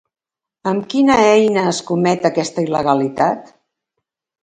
Amb quina eina es comet aquesta il·legalitat?